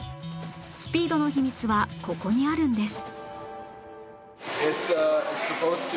スピードの秘密はここにあるんです